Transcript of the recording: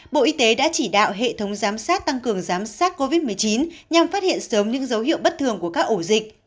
bộ y tế đã chỉ đạo hệ thống giám sát tăng cường giám sát covid một mươi chín nhằm phát hiện sớm những dấu hiệu bất thường của các ổ dịch